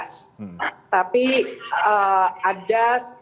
saya kira tidak bisa kita lihat sebagai